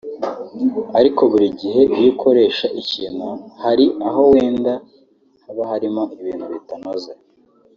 ariko buri gihe iyo ukoresha ikintu hari aho wenda haba harimo ibintu bitanoze